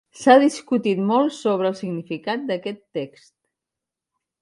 S'ha discutit molt sobre el significat d'aquest text.